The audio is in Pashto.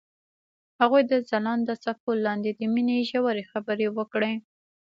هغوی د ځلانده څپو لاندې د مینې ژورې خبرې وکړې.